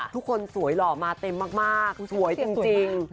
ทุกคนสวยหล่อมาเต็มมากสวยจริง